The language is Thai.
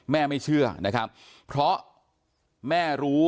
ไม่เชื่อนะครับเพราะแม่รู้